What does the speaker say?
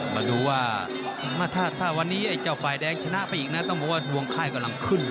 มาดูว่าถ้าวันนี้ไอ้เจ้าฝ่ายแดงชนะไปอีกนะต้องบอกว่าดวงค่ายกำลังขึ้น